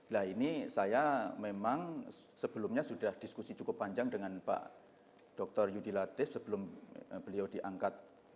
nah ini saya memang sebelumnya sudah diskusi cukup panjang dengan pak dr yudi latif sebelum beliau diangkat